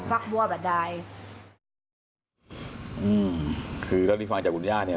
เปิดฟักฟักบัวแบบใดอืมคือที่ฟังจากคุณย่าเนี้ย